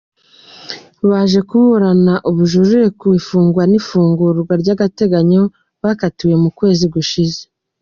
Baje kuburana ubujurire ku ifungwa n’ifungurwa ry’agateganyo bakatiwe mu kwezi gushize.